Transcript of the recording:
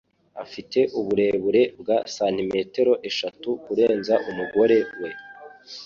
afite uburebure bwa santimetero eshatu kurenza umugore we